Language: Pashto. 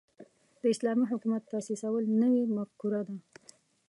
د اسلامي حکومت تاسیسول نوې مفکوره ده.